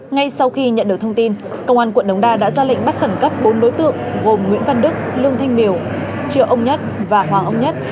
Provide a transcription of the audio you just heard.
ngay sau khi nhận được thông tin công an quận đống đa đã ra lệnh bắt khẩn cấp bốn đối tượng gồm nguyễn văn đức lương thanh miều triệu ông nhất và hoàng ông nhất